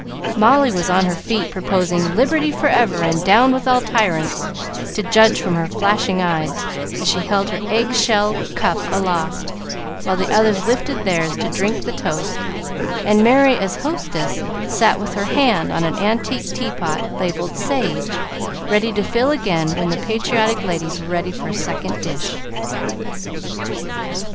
Molly was on her feet proposing, "Liberty forever, and down with all tyrants," to judge from her flashing eyes as she held her egg shell cup aloft, while the others lifted theirs to drink the toast, and Merry, as hostess, sat with her hand on an antique teapot, labelled "Sage," ready to fill again when the patriotic ladies were ready for a second "dish."